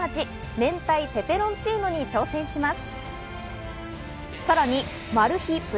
明太ペペロンチーノに挑戦します。